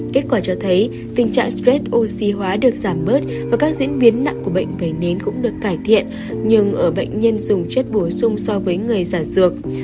kết quả cho thấy tình trạng stress oxy hóa được giảm bớt và các diễn biến nặng của bệnh vẩy nến cũng được cải thiện nhưng ở bệnh nhân dùng chất bổ sung so với người giảm dược